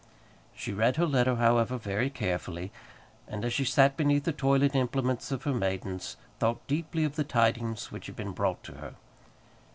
She read her letter, however, very carefully, and as she sat beneath the toilet implements of her maidens thought deeply of the tidings which had been brought to her.